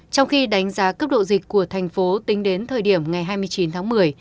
trong khi đánh giá cấp độ dịch của thành phố tính đến thời điểm ngày hai mươi chín tháng một mươi